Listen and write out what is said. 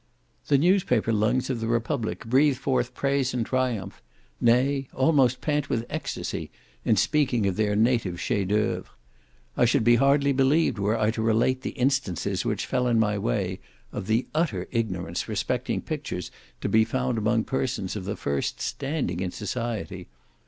The newspaper lungs of the Republic breathe forth praise and triumph, may, almost pant with extacy in speaking of their native chef d'oeuvres. I should be hardly believed were I to relate the instances which fell in my way, of the utter ignorance respecting pictures to be found among persons of the first standing in society.